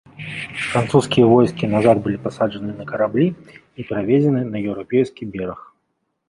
Французскія войскі назад былі пасаджаны на караблі і перавезены на еўрапейскі бераг.